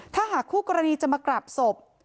ถ้าหากคู่กรณีจะมากราบศพ